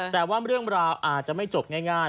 แต่ว่าเรื่องราวอาจจะไม่จบง่าย